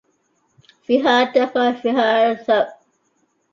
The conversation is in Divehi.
ފިހާރަތަކާ ފިހާރަތައް